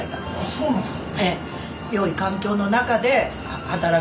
そうなんですか。